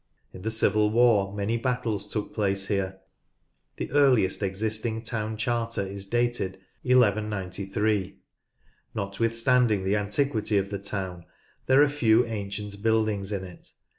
In the Civil War many 172 NORTH LANCASHIRE battles took, place here. The earliest existing town charter is dated 1193. Notwithstanding the antiquity of the town, there are few ancient buildings in it.